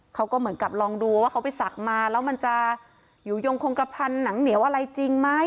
เขาก็เหมือนกับลองดูว่าเขาไปศักดิ์มาแล้วมันจะอยู่ยงคงกระพันหนังเหนียวอะไรจริงไหม